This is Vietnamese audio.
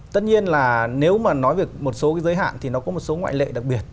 tất nhiên là nếu mà nói về một số cái giới hạn thì nó có một số ngoại lệ đặc biệt